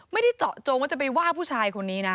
ไม่ได้เจาะจงว่าจะไปว่าผู้ชายคนนี้นะ